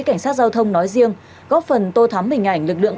cảnh sát giao thông nói riêng góp phần tô thắm hình ảnh lực lượng